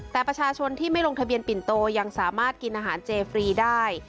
แต่ประชาชนที่ไม่ลงทะเบียนปิ่นโตยังสามารถกินอาหารเจฟรีได้